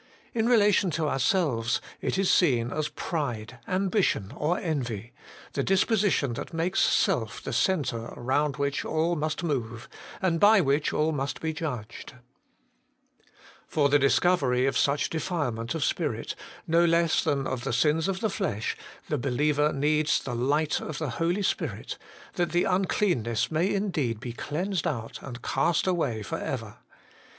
In relation to ourselves it is seen as pride, ambition, or envy, the disposition that makes self the centre round which all must move, and by which all must be judged. HOLINESS AND CLEANSING. 213 For the discovery of such defilement of spirit, no less than of the sins of the flesh, the believer needs the light of the Holy Spirit ; that the uncleanness may indeed be cleansed out and cast away for ever.